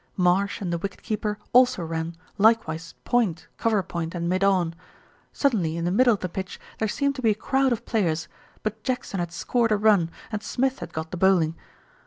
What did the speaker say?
Marsh and the wicket keeper also ran, likewise point, cover point and mid on. Suddenly in the middle of the pitch there seemed to be a crowd of players ; but Jackson had scored a run and Smith had got the bowling.